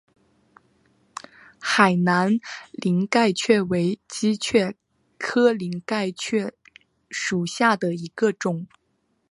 海南鳞盖蕨为姬蕨科鳞盖蕨属下的一个种。